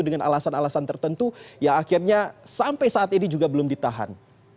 dengan alasan alasan tertentu yang akhirnya sampai saat ini juga belum ditahan